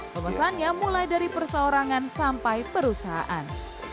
pemesan yang mulai dari persoorangan sampai perusahaan